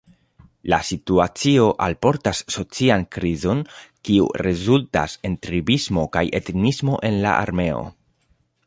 La situacio alportas socian krizon, kiu rezultas en tribismo kaj etnismo en la armeo.